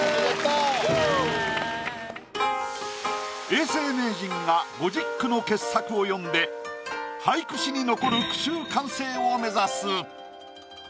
永世名人が５０句の傑作を詠んで俳句史に残る句集完成を目指す。